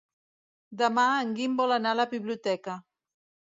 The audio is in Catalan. Demà en Guim vol anar a la biblioteca.